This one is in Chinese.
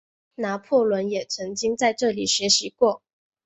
拿破仑也曾经在这里学习过。